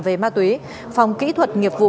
về ma túy phòng kỹ thuật nghiệp vụ